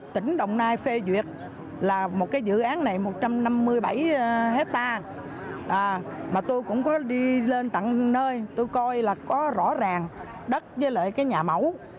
tỉnh đồng nai phê duyệt là một cái dự án này một trăm năm mươi bảy hectare mà tôi cũng có đi lên tận nơi tôi coi là có rõ ràng đất với lại cái nhà mẫu